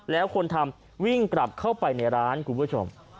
แล้วคนทำวิ่งกลับเข้าไปในร้านคุณผู้ชม